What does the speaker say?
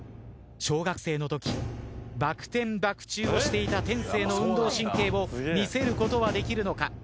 小学生のときバク転バク宙をしていた天性の運動神経を見せることはできるのか。